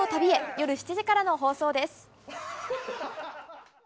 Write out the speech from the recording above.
夜７時からの放送です。